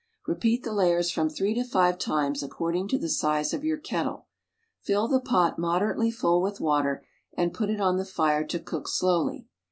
Repeat the layers from three to five times according to the size of your kettle. Fill the pot mod erately full with water and put it on the fire to cook slowly.